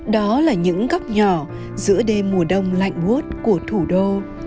đó là những góc nhỏ giữa đêm mùa đông lạnh bút của thủ đô